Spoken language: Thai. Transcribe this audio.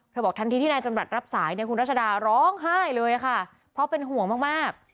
บอกทันทีที่นายจำรัฐรับสายเนี่ยคุณรัชดาร้องไห้เลยค่ะเพราะเป็นห่วงมาก